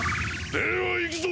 ではいくぞ！